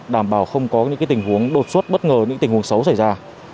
đảm bảo không có những tình huống đột xuất bất ngờ những tình huống xấu xảy ra